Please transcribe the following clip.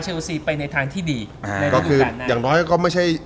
เชียลซีไปในทางที่ดีอ่ะในโลกการนะก็คืออย่างน้อยก็ไม่ใช่